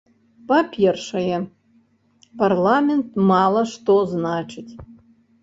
Па-першае, парламент мала што значыць.